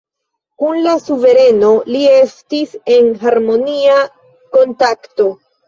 Kun la suvereno li estis en harmonia kontakto.